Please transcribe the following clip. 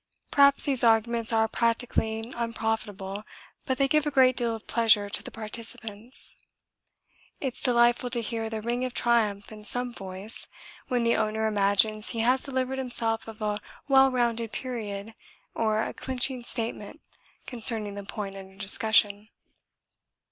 Perhaps these arguments are practically unprofitable, but they give a great deal of pleasure to the participants. It's delightful to hear the ring of triumph in some voice when the owner imagines he has delivered himself of a well rounded period or a clinching statement concerning the point under discussion.